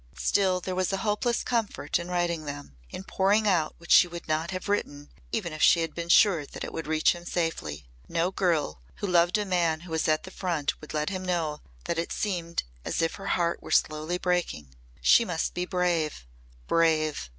Still there was a hopeless comfort in writing them, in pouring out what she would not have written even if she had been sure that it would reach him safely. No girl who loved a man who was at the Front would let him know that it seemed as if her heart were slowly breaking. She must be brave brave!